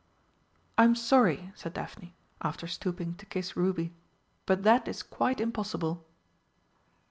"I'm sorry," said Daphne, after stooping to kiss Ruby, "but that is quite impossible."